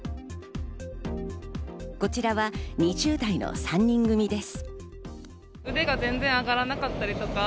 こちらは２０代の３人組です。